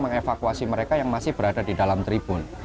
mengevakuasi mereka yang masih berada di dalam tribun